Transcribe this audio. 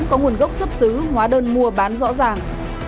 có nguồn gốc xuất xứ hóa đơn mua bán rõ ràng